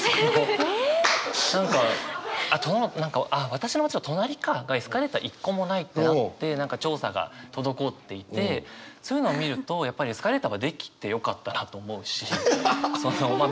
私の町の隣かがエスカレーター一個もないってなって何か調査が滞っていてそういうのを見るとやっぱりエスカレーターが出来てよかったなと思うしま